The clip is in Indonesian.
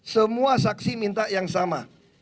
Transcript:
semua saksi minta yang sama